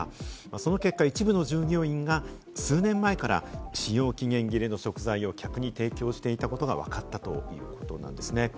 その結果、一部の従業員が数年前から使用期限切れの食材を客に提供していたことがわかったということなんです。